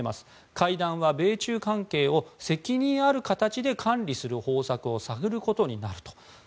会談は米中関係を責任ある形で管理する方策を探ることになると。